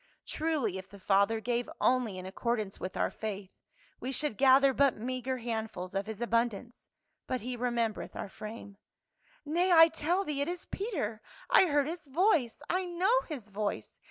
Truly if the Father gave only in accord ance with our faith, we should gather but meagre handfuls of his abundance ; but he remembereth our frame. " Nay, I tell thee it is Peter ; I heard his voice, I know his voice